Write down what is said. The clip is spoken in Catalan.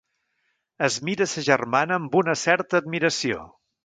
Es mira sa germana amb una certa admiració.